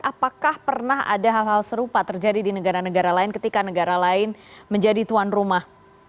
apakah pernah ada hal hal serupa terjadi di negara negara lain ketika negara lain menjadi tuan rumah